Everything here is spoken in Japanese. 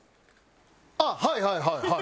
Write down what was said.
あっはいはいはいはい。